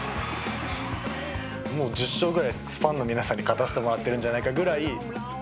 もう１０勝ぐらいファンの皆さんに勝たせてもらってるんじゃないかぐらい。